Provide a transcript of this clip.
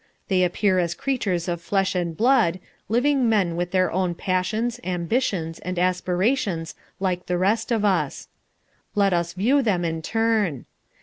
They appear as creatures of flesh and blood, living men with their own passions, ambitions, and aspirations like the rest of us. Let us view them in turn.